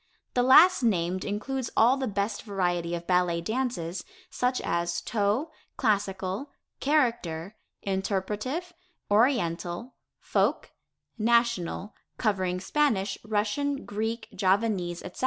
The last named includes all the best variety of ballet dances, such as toe, classical, character, interpretive, oriental, folk, national, covering Spanish, Russian, Greek, Javanese, etc.